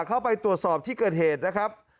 เข้าไปตรวจสอบที่เกิดเหตุนะครับ